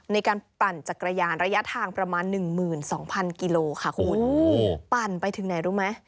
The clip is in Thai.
ในการปั่นจักรยานระยะทางประมาณหนึ่งหมื่นสองพันกิโลค่ะคุณโอ้ปั่นไปถึงไหนรู้ไหม